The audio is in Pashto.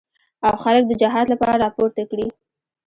او خلک د جهاد لپاره راپورته کړي.